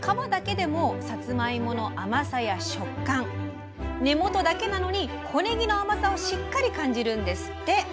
皮だけでもさつまいもの甘さや食感根元だけなのに小ねぎの甘さをしっかり感じるんですって。